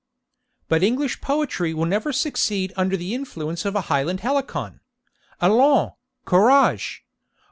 But English poetry will never succeed under the influence of a Highland Helicon. Allons, courage!